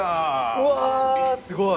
うわすごい。